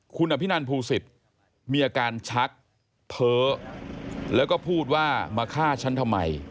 คุณอภินันภูศิษย์มีอาการชักเพ้อแล้วก็พูดว่ามาฆ่าฉันทำไม